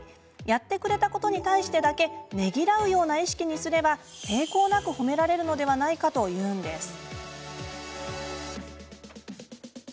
やってくれたことに対してだけねぎらうような意識にすれば抵抗なく、褒められるのではないかというんです。